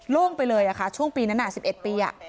ล่วงไปเลยค่ะช่วงปีนั้น๑๑ปี